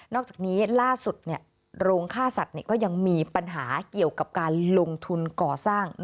อกจากนี้ล่าสุดโรงค่าสัตว์ก็ยังมีปัญหาเกี่ยวกับการลงทุนก่อสร้าง